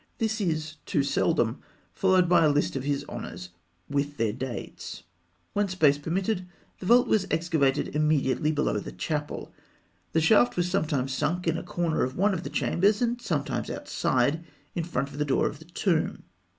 This is too seldom followed by a list of his honours with their dates. When space permitted, the vault was excavated immediately below the chapel. The shaft was sometimes sunk in a corner of one of the chambers, and sometimes outside, in front of the door of the tomb.